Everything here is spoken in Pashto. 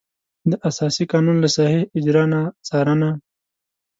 د اساسي قانون له صحیح اجرا نه څارنه.